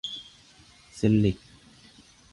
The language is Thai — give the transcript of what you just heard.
ซิลลิค